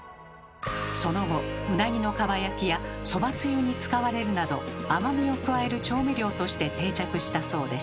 その後うなぎのかば焼きやそばつゆに使われるなど甘みを加える調味料として定着したそうです。